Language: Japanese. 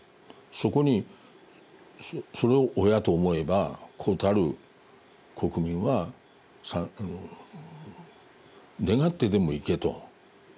そこにそれを親と思えば子たる国民は願ってでも行けと。